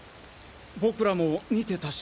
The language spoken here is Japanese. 僕らも見てたし。